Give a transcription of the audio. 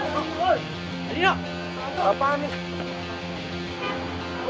agak dua enggak tetap bayaran sama said owl